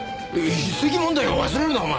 筆跡問題を忘れるなお前。